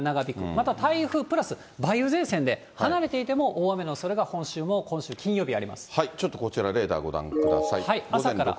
また台風プラス梅雨前線で、離れていても大雨のおそれが、本州も、ちょっとこちら、レーダーご朝から。